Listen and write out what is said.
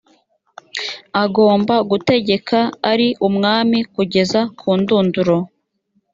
agomba gutegeka ari umwami kugeza kundunduro